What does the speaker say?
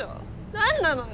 何なのよ。